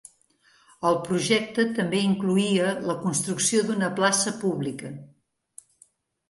El projecte també incloïa la construcció d'una plaça pública.